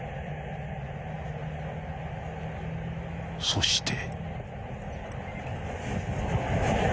［そして］